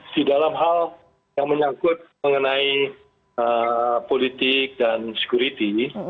di dalam hal yang menyangkut mengenai politik dan security